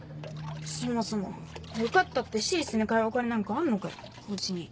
そもそも受かったって私立に通うお金なんかあんのかようちに。